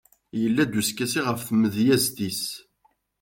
yella-d uskasi ɣef tmedyazt-is